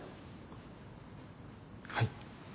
はい。